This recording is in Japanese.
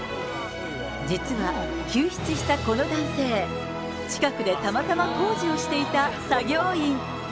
実は、救出したこの男性、近くでたまたま工事をしていた作業員。